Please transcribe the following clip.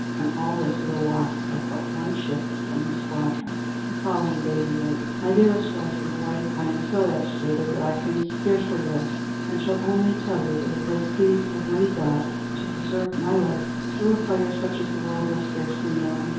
And all this with a loss of but one ship from his squadron." The following day, he wrote: "My dearest wife and boy, I am so agitated that I can scarcely write, and shall only tell you that it has pleased Almighty God to preserve my life through a fire such as the world has scarcely known.